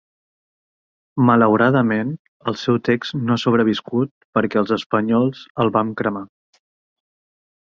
Malauradament, el seu text no ha sobreviscut perquè els espanyols el van cremar.